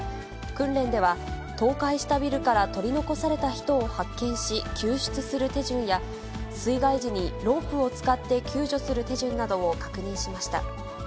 訓練では、倒壊したビルから取り残された人を発見し救出する手順や、水害時にロープを使って救助する手順などを確認しました。